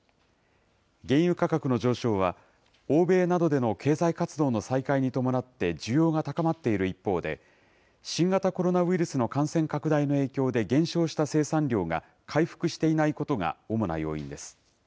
原油価格の上昇は、欧米などでの経済活動の再開に伴って需要が高まっている一方で、新型コロナウイルスの感染拡大の影響で減少した生産量が回復していないことが主な要因です。